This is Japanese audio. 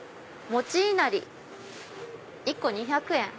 餅いなり１個２００円。